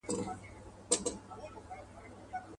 سلامۍ ته را روان یې جنرالان وه.